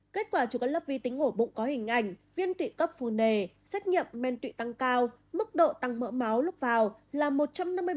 kết quả của các lớp vi tính ngổ bụng có hình ảnh viêm tụy cấp phù nề xét nghiệm men tụy tăng cao mức độ tăng mỡ máu lúc vào là một trăm năm mươi bảy mmol